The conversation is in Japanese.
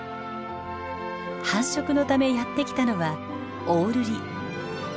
繁殖のためやって来たのはオオルリ。